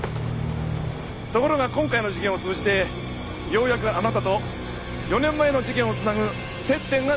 ところが今回の事件を通じてようやくあなたと４年前の事件を繋ぐ接点が見つかりました。